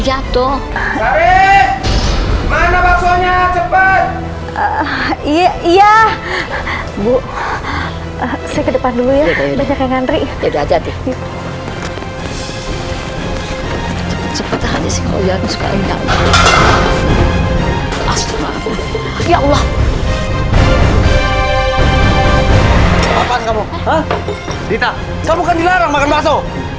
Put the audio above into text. dita kamu kan dilarang makan bakso